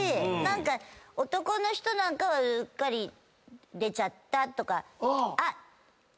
男の人なんかはうっかり「出ちゃった」とか。